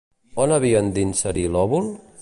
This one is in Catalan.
On havien d'inserir l'òvul?